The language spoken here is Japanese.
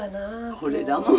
これだもん。